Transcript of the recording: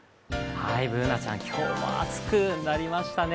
Ｂｏｏｎａちゃん、今日も暑くなりましたね。